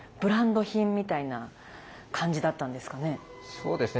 そうですね。